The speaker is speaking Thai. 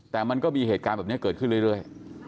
แต่มันก็มีเหตุการณ์แบบนี้เกิดขึ้นเรื่อย